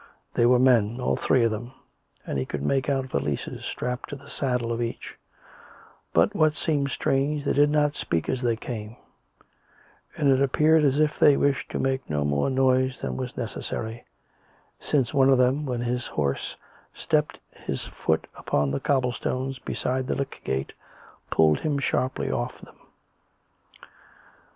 They were men, all three of them ; and he could make out valises strapped to the saddle of each; but, what seemed strange, they did not speak as they came; and it appeared as if they wished to make no more noise than was necessary, since one of them, when his horse set his foot upon the cobble stones beside the lych gate, pulled him sharply off them.